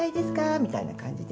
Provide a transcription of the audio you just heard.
みたいな感じで。